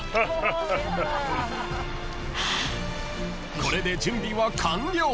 ［これで準備は完了］